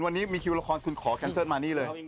สนุกมากดูว่าชื่อเป็นรี่ไม่มาก